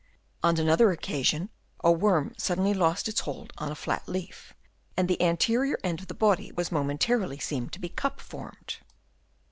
On another occasion a worm suddenly lost its hold on a flat leaf; and the anterior end of the body was momen tarily seen to be cup formed.